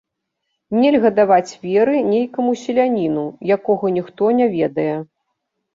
Нельга даваць веры нейкаму селяніну, якога ніхто не ведае.